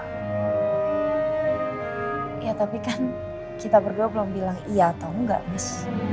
ya tapi kan kita berdua belum bilang iya tau enggak mas